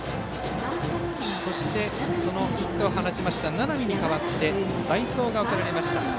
そして、ヒットを放った名波に代わって代走が送られました。